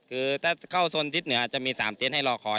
คือถ้าเข้าโซนทิศเหนือจะมี๓เตี้ยนให้รอคอย